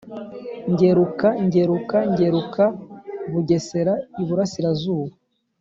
Ngeruka Ngeruka NgerukaBugesera Iburasirazuba